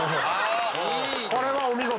これはお見事。